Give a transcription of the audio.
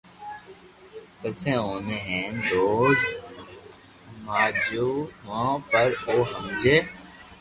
پسي اوني ھين روز ھماجو ھون پر او ھمجي